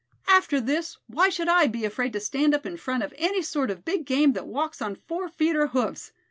After this, why should I be afraid to stand up in front of any sort of big game that walks on four feet or hoofs?